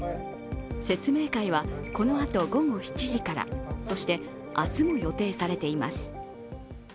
説明会は、このあと午後７時からそして明日も予定されています。